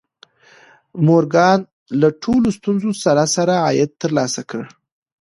مورګان له ټولو ستونزو سره سره عاید ترلاسه کړ